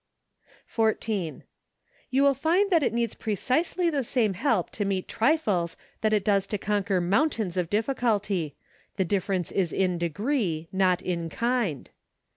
14. Y~ou will find that it needs precisely the same help to meet trifles that it does to conquer mountains of difficulty. The differ¬ ence is in degree, not in kind.